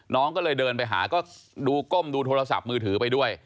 น้องก็เลยเดินไปหาก็ดูก้มดูโทรศัพท์มือถือไปด้วย